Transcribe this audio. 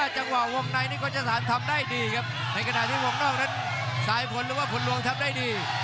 จังหวะวงในนี่ก็จะสารทำได้ดีครับในขณะที่วงนอกนั้นสายผลหรือว่าผลลวงทำได้ดี